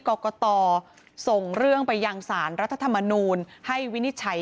กรกตส่งเรื่องไปยังสารรัฐธรรมนูลให้วินิจฉัย